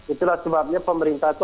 itulah sebabnya pemerintah itu